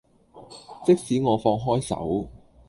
即使我放開手